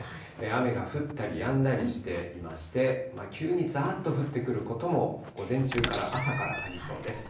雨が降ったりやんだりしていまして、急にざーっと降ってくることも、午前中から、朝からありそうです。